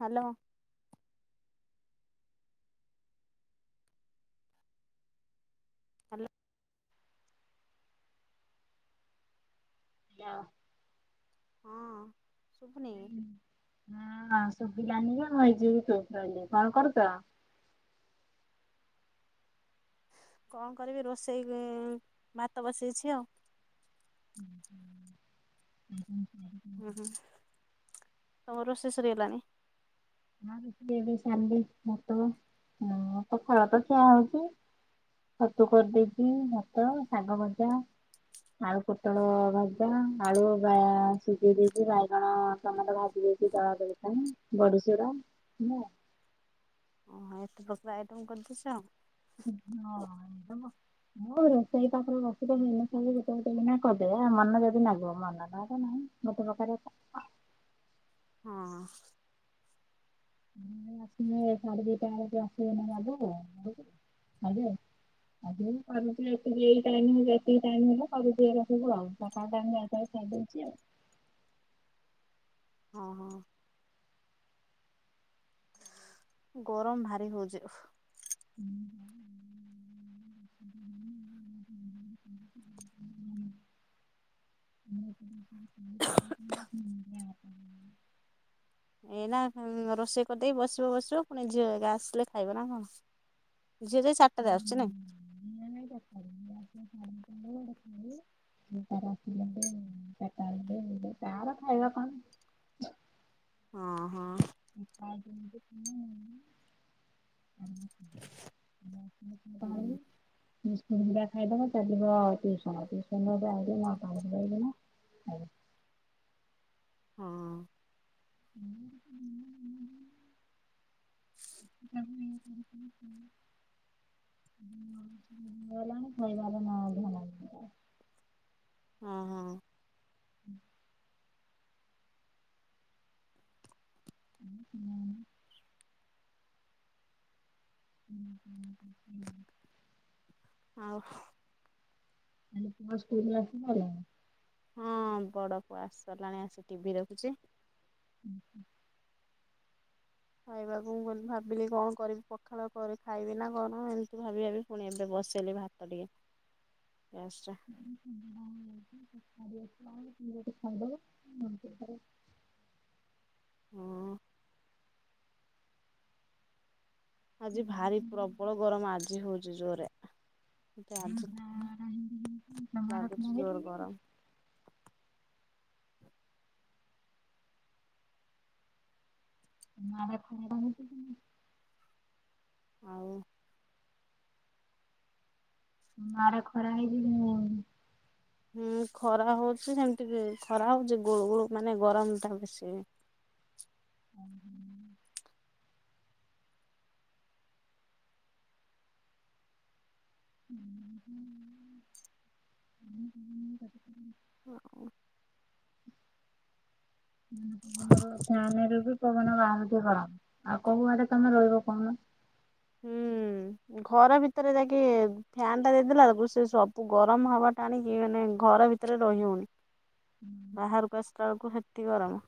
Hello. ଆଲ ଯାଅ। ହଁ ସୁଭୁନି। ସୁବିଲନି ଯେ ହେଇଯିବି ତୁ କହିଲେ, କଣ କରୁଛ? କଣ କରିବି ରୋଷେଇ ଭାତ ବସେଇଛି ଆଉ। [inaudible] ହୁଁ ହୁଁ ତମର ରୋଷେଇଷରିଗଲଣିି? ଆଁ ଏବେ ସାରିଲି ଭାତ ଉଁ ପଖାଳ ଭାତ ଖିଆ ହଉଚି। ଛତୁ କରିଦେଇଛି, ଭାତ, ଶାଗ ଭଜା। ଆଳୁ ପୋଟଳ ଭଜା, ଆଳୁ ବା ସିଝେଇ ଦେଇଛି ବାଇଗଣ ଟମେଟୋ ଭାଜି ଥା ବଡସୁରା ନା। ହଁ ଏତେ ପ୍ରକାର ଆଇଟମ କରିଦେଇଛ? [unintelligible] ମନ ଯଦି ନାଗିବ ମନଟ ତ ନାହିଁ ମୋତେ ପ୍ରକାର ହଁ। ଆସି ସାଢେ ଦିଟା ବେଳକୁ ଆସିବେନ ବାବର ହଁ ଯେ ଆଗରୁ କରୁଥିଲେ ଏତିକି ଏଇ ଟାଇମ ଏତିକି ଟାଇମ୍ ହେଲା କର ସବୁ ଆଉ ସକାଳ ଟାଇମ। [unintelligible] ଗାଧୋଉଛି ଆଉ। [unintelligible] ହଁ ହୋ। ଗରମ ଭାରି ହଉଚି ଉହୂ। [unintelligible] [inaudible] [unintelligible] ଏଇନା ରୋଷେଇ କରିଦେଇ ବସିବ ବସିବ ପୁଣି ଝିଅ ଆସିଲେ ଖାଇବ ନା କଣ? [unintelligible] [unintelligible] ପାଇିଲ କ [unintelligible] ହଁ ହଁ [inaudible] [inaudible] ବିସ୍କୁଟ୍ ଦୁଇଟା ଖାଇଦବ। ତାର ଯିବ ଟୁଉସନ୍ ହ [inaudible] ହଁ ହଁ ହଁ ହ [unintelligible] ହଁ [unintelligible] ଖାଇ ବା ନ ଧ [unintelligible] ହଁ ହଁ ହୁଁ [inaudible] ହୁଁ। ହୁଁ ହୁଁ ହ ହୁଁ। ଆଉ। ତମ ପୁଅ ସ୍କୁଲ [unintelligible] ହଁ ବଡ ପୁଅ ଆସି ସାରିଲାଣି ଆସି ଟିଭି ଦେଖୁଚି। ହୁଁ ହୁଁ। ଖାଇବାକୁ ମୁଁ କ ଭାବିଲି କଣ କରିବି ପଖାଳ କରି ଖାଇବି ନା ଗରମ ଏମିତି ଭାବି ଭାବି ପୁଣି ଏବେ ବ ବସେଇଲି ଭାତ ଟିକେ ଗ୍ୟାସରେ [unintelligible] [unintelligible] ହଁ। ଆଜି ଭାରି ପ୍ରବଳ ଗରମ ଆଜି ହଉଛିି ଜୋରେ। ଏ ଆଜି ଲାଗୁଛି ଜୋର ଗରମ। [unintelligible] ଆଉ। ମାଡ଼ [unintelligible] ହୁଁ ଖରା ହଉଛି ସେମିତି ବି ଖରା ହଉଛି ଗୁଳୁ ଗୁଳୁ ମାନେ ଗରମ ଟା ବେଶୀ ହୁଁ ହୁଁ। [unintelligible] ହଁ। ଆମର ଫ୍ୟାନରେ ବି ପବନ ବାହାରୁଚି ଗ ଲରମ ଆଉ କୋଉଆଡେ ତମେ ରହିବ କହୁନ। ହୁଁ। ଘର ଭିତରେ ଯାଇକି ଫ୍ୟାନ ଟା ଦେଇଦେଲା ବେଳକୁ ତାକୁ ସେ ସବୁ ଗରମ ହବା ଟା ଆଣିକି ମାନେ ଘର ଭିତରେ ରହିହଉନି ବାହାରକୁ ଆସିଲା ବେଳକୁ ସେତି ଗରମ।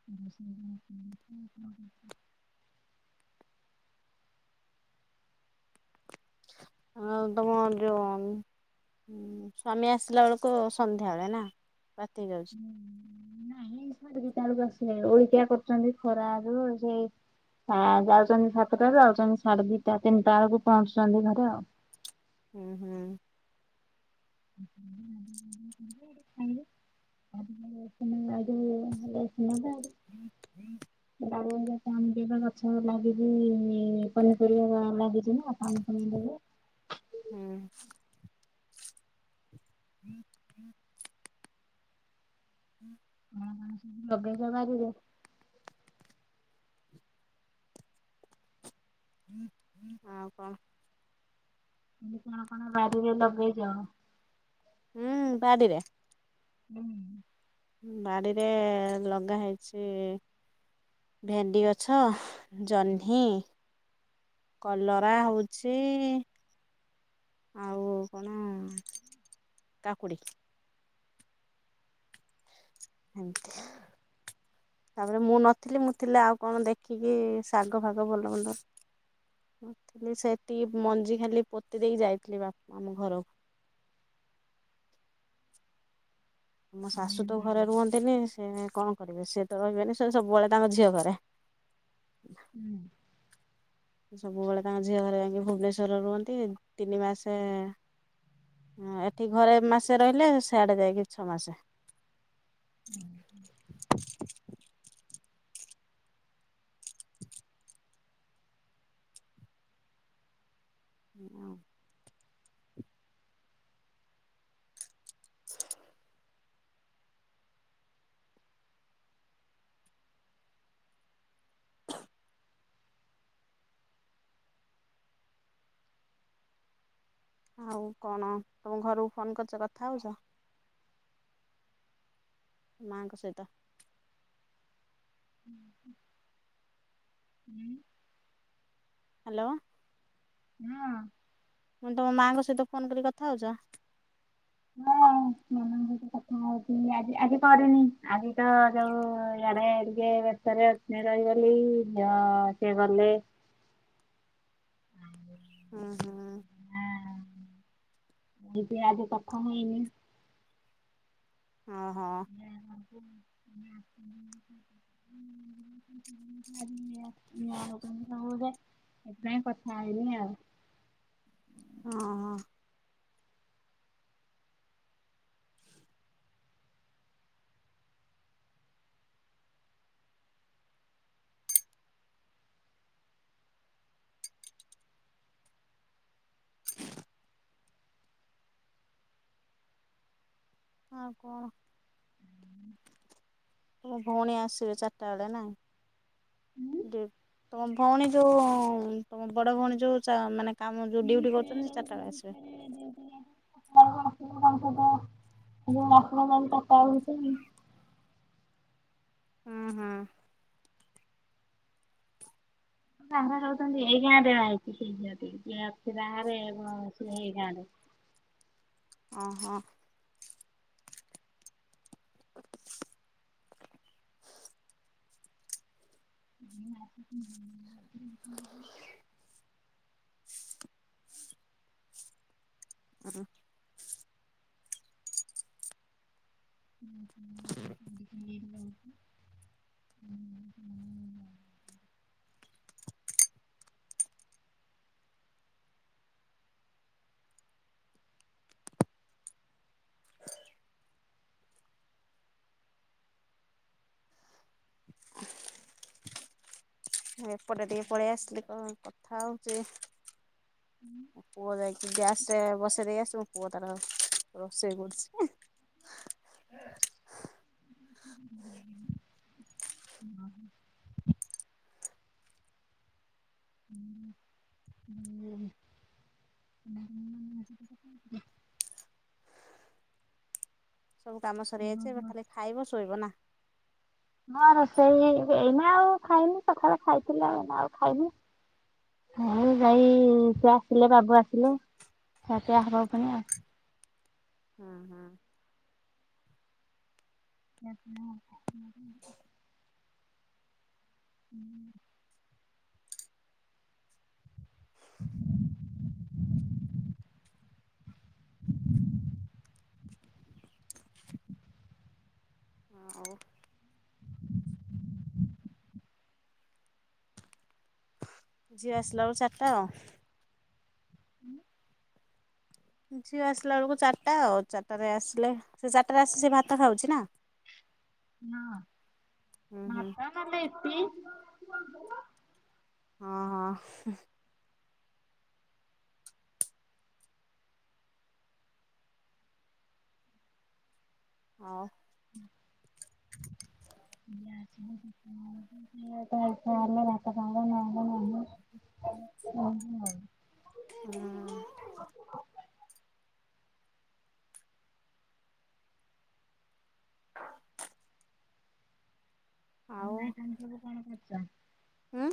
[unintelligible] ଆ ତମର ଯୋଉ ହୁଁ ସ୍ୱାମୀ ଆସିଲା ବେଳକୁ ସନ୍ଧ୍ୟା ହୁଏ ନା ରାତି ହେଇଯାଉଛି ନାଇଁ ସାଡେ ଗୋଟାଏ ବେଳକୁ ଆସ ସେ ଓଳିକିଆ କରୁଛନ୍ତି ଖରାରୁ ସେଇ ଆ ଯାଉଛନ୍ତି ସାତଟାରୁ ଯାଉଛନ୍ତି ସାଢେ ଦିଟା ତିନିଟା ବେଳକୁ ପହଞ୍ଚୁଛନ୍ତି ଘରେ ଆଉ। ହୁଁ ହୁଁ। ଆଇିଲ [unintelligible] ହୁଁ ହୁଁ ଦି ଟା ଗଛ ଲାଗିଚି ପନିପରିବା ଲାଗିଛି ନା ପାଣି ଫାଣି ଦେବେ। ହୁଁ। ହୁଁ ହୁଁ ହୁଁ ଆଉ କଣ ସବୁ ଲଗେଇଛ ବାରିରେ? ଆଉ କଣ? କଣ କଣ ଆପଣ ବାରିରେ ଲଗେଇଛ? ହୁଁ ବାଡ଼ିିରେ। ହୁଁ। ବାଡିରେ ଲଗା ହେଇଛି ଭେଣ୍ଡି ଗଛ, ଜହ୍ନି କଲରା ହଉଛି ଆଉ କଣ କାକୁଡ଼ି। ହୁଁ। ତାପରେ ମୁଁ ନଥିଲି ମୁଁ ଥିଲେ ଆଉ କଣ ଦେଖିକି, ଶାଗ ଫାଗ ଭଲ ମନ୍ଦ। ଥିଲି ସେଠିକି ମଞ୍ଜି ଖାଲି ପୋତି ଦେଇକି, ଯାଇଥିଲି ବାପା ଆମ ଘରକୁ।। ମୋ ଶାଶୁ ତ ଘରେ ରୁହନ୍ତିନି ସେ କଣ କରିବେ ସିଏ ତ ରହିବେନି, ସେ ସବୁବେଳେ ତାଙ୍କ ଝିଅ ଘରେ। ହୁଁ। ସବୁବେଳେ ତାଙ୍କ ଝିଅ ଘରେ ଯାଇକି, ଭୁବନେଶ୍ୱର ରୁହନ୍ତି ତିନି ମାସେ। ହ ଏଠି ଘରେ ମାସେ ରହିଲେ, ସେଆଡେ ଯାଇକି ଛଅ ମାସେ। ହୁଁ ହ [inaudible] ଏୟା ଆଉ। । [inaudible] ଆଉ କଣ ତମ ଘରକୁ ଫୋନ କରିୁଛ, କଥା ହଉଛ। ମାଙ୍କ ସହିତ। [inaudible] ହାଲୋ। ହଁ। ମୁ ତମ ମାଙ୍କ ସହିତ ଫୋନ କରି କଥା ହଉଛ। ହଉ କି ଆଜି ଆଜି କରିନି, ଆଜି ତ ଯୋଉ ଇଆଡ଼େ ଟିକେ ବ୍ୟସ୍ତରେ ରହି ସେଲି ସେ ଗଲେ ହୁଁ ହୁଁ। ଆଜି କଥା ହେଇନି। ଓହୋ ହଁ ହଁ। ଦେ [unintelligible] ସେଥିପାଇଁ କଥା ହେଇନି ଆଉ। ହଁ। ଆଉ କଣ? ତମ ଭଉଣୀ ଆସିବେ ଚାରିଟା ବେଳେ ନାଇଁ। ତମ ଭଉଣୀ ଯୋଉ ତମ ବଡ ଭଉଣୀ ଯୋଉ ଚା ମାନେ। କାମ ଯୋଉ ଡିୟୁଟି କରୁଛନ୍ତି, ସେ ଚାରିଟା ବେଳେ ରହୁଛନ୍ତି ଆସିବେ। ବାହାରେ [unintelligible] ହୁଁ ହୁଁ। ବାହରେ ରହୁଛନ୍ତି ଏଇ ଗାଁରେ ବାହା ହେଇଛି ସେଇ ଝିଅ ଟି ଯିଏ ଅଛି ବାହାରେ ଏବଂ ସିଏ ହେଇ ଗାଁ ରେ। ଓ ହୋ। । [inaudible] ହୁଁ [inaudible] ଆ [inaudible] ହୁଁ ହ [inaudible] ହୁଁ ହଁ [inaudible] ମୁଁ ଏପଟେ ଟିକେ ପଳେଇ ଆସିଲି, କଣ କଥା ହଉଚି। ପୁଅ ଯାଇକି ଗ୍ୟାସ୍ ରେ ବସେଇ ଦେଇ ଆସିବ ପୁଅ ତାର ରୋଷେଇ କରୁଛି। [inaudible] ସବୁ କାମ ସରିଯାଇଛି, ଏବେ ଖାଲି ଖାଇବ ଶୋଇବ ନା। ହଁ ରୋଷେଇ ଏଇନା ଆଉ ଖାଇନି, ସକାଳେ ଖାଇଥିଲେ ଏ ଆଉ ଖାଇନି। ହାଇ ଭାଇ ତୁ ଆସିଲେ ବାବୁ ଆସିଲୁ। ଖିଆ ପିଆ ହେବା [unintelligible] ହୁଁ ହୁଁ। ସେ [inaudible] ହୁଁ [inaudible] [inaudible] [inaudible] ହ ଆଉ ଝିଅ ଆସିଲା ବେଳୁ ଚାରିଟା ହୁଁ। ଝିଅ ଆସିଲା ବେଳକୁ ଚାରିଟା ଆଉ ଚାରିଟା ରେ ଆସିଲେ ସେ ଚାରିଟାରେ ଆସି ସେ ଭାତ ଖାଉଚି ନା ହଁ ହୁଁ ହୁଁ। ଭାତ ନହେଲେ ରୁଟି। ହଁ ହଁ। ହଁ। [inaudible] ଓ ହୋଉ। ହୁଁ। ଆଉ ଆଇଟମ ସବୁ କଣ କରିଚ? ହୁଁ।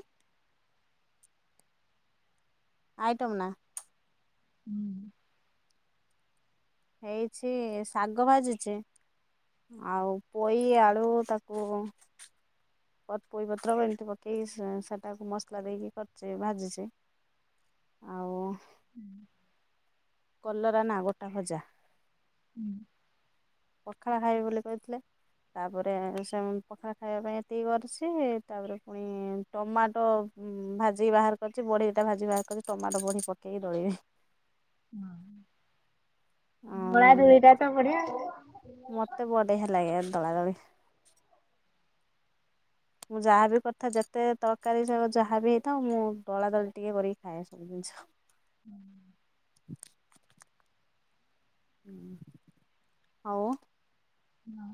ଆଇଟମ୍ ନା ହୁଁ। ହେଇଛି ଶାଗ ଭାଜିଚି। ଆଉ ପୋଇ ଆଳୁ ତାକୁ [unintelligible] ପତ୍ର ଏମିତି ପକେଇକି ସେଟାକୁ ମସଲା ଦେଇକି କରିଚେ ଭାଜିଚି। ଆଉ ହୁଁ। କଲରା ନା ଗୋଟା ଭଜା। ହୁଁ। ପଖାଳ ଖାଇବେ ବୋଲି କହିଥିଲେ। ତାପରେ ସେ ପଖାଳ ଖାଇବା ପାଇଁ ଏତିକି କରିଚି ତାପରେ ପୁଣି ଟମାଟ ହୁଁ ଭାଜିିକି ବାହାର କରିଛି ବଢ଼ି ଦିଟା ଭାଜିକି ବାହାର କରିଛି ଟମାଟ ବଢ଼ି ପକେଇକି ଦଳିବି। ହଁ ଆଉ ଦଲାଦଳି ଟା ତ ବଢ଼ିଆ ଆଉ। ମତେ ବଢ଼ିଆ ଲାଗେ ଦଳାଦଳି। ମୁଁ ଯାହାବି କରିଥାଏ। ଯେତେ ତରକାରୀ ଶାଗ ଯାହାବି ହେଇଥାଉ। ମୁଁ ଦଳାଦଳି ଟିକେ କରିକି ଖାଏ ସବୁିଦିନ। ଝ ହୁଁ। ହଁ ଆଉ ହଁ।